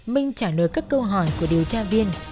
minh trả lời các câu hỏi của điều tra viên